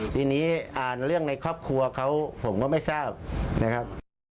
ทีนี้อ่านเรื่องในครอบครัวเขาผมก็ไม่ทราบนะครับ